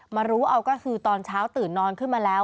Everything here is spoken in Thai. มารู้เอาก็คือตอนเช้าตื่นนอนขึ้นมาแล้ว